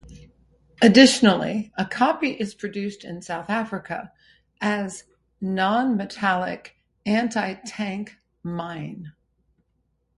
Additionally, a copy is produced in South Africa as "Non-metallic anti-tank mine".